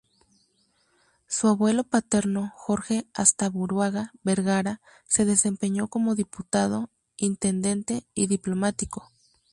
Su abuelo paterno, Jorge Astaburuaga Vergara, se desempeñó como diputado, intendente y diplomático.